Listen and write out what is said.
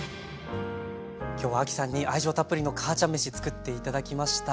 今日は亜希さんに愛情たっぷりの「母ちゃんめし」作って頂きました。